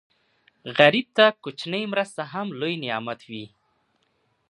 غریب ته کوچنۍ مرسته هم لوی نعمت وي